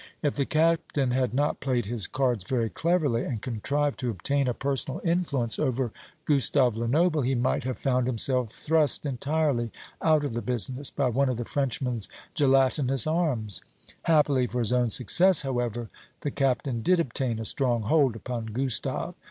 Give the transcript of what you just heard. If the Captain had not played his cards very cleverly, and contrived to obtain a personal influence over Gustave Lenoble, he might have found himself thrust entirely out of the business by one of the Frenchman's gelatinous arms. Happily for his own success, however, the Captain did obtain a strong hold upon Gustave.